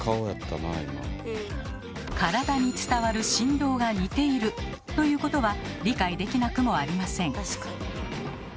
体に伝わる振動が似ているということは理解できなくもありません。